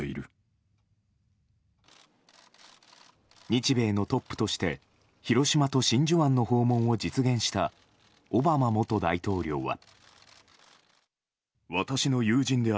日米のトップとして広島と真珠湾の訪問を実現したオバマ元大統領は。